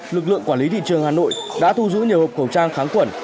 lực lượng quản lý thị trường hà nội đã thu giữ nhiều hộp khẩu trang kháng khuẩn